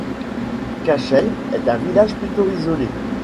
Cashel est un village plutôt isolé.